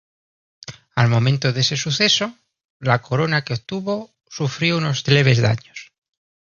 Al momento de ese suceso, la corona que obtuvo sufrió unos leves daños.